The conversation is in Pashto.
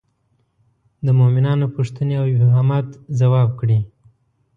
د مومنانو پوښتنې او ابهامات ځواب کړي.